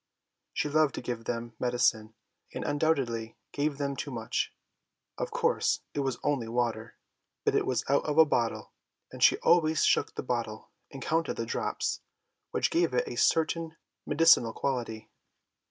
She loved to give them medicine, and undoubtedly gave them too much. Of course it was only water, but it was out of a bottle, and she always shook the bottle and counted the drops, which gave it a certain medicinal quality.